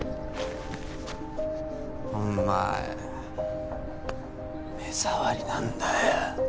お前目障りなんだよ。